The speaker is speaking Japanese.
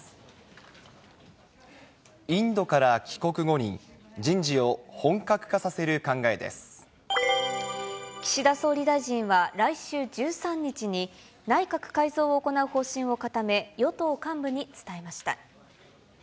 インドから帰国後に、人事を岸田総理大臣は来週１３日に、内閣改造を行う方針を固め、与党幹部に伝えました。